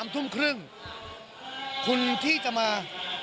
๓ทุ่มครึ่งคุณที่จะมา